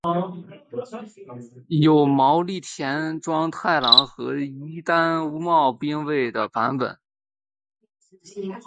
有毛利田庄太郎和伊丹屋茂兵卫的版本。